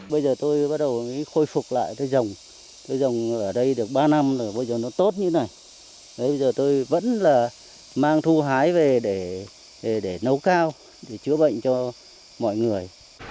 bây giờ tôi vẫn là mang thu hái về để nấu cao để chữa bệnh cho mọi người